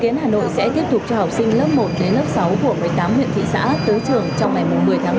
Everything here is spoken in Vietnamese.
tại hà nội trở lại trường đến hôm nay